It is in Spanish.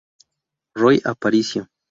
Roy Aparicio.